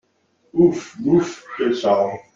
Ouf ! bouf ! quelle charge !